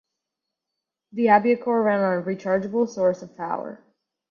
The AbioCor ran on a rechargeable source of power.